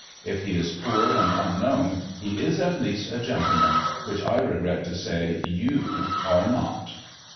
If he is poor and unknown he is at least a gentleman, which I regret to say you are not."